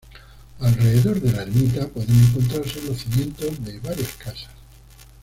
Alrededor de la ermita pueden encontrarse los cimientos de varias casas.